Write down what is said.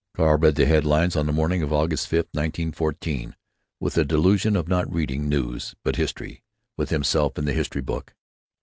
Carl read the head lines on the morning of August 5th, 1914, with a delusion of not reading "news," but history, with himself in the history book.